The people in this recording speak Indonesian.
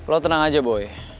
lo tenang aja boy